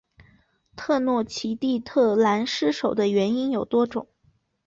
特诺奇蒂特兰失守的原因有多种。